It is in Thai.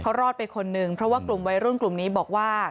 เขารอดไปคนนึงเพราะว่ากลุ่มวัยรุ่นกลุ่มนี้บอกว่า